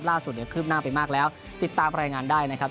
ล่าสุดเนี่ยคืบหน้าไปมากแล้วติดตามรายงานได้นะครับ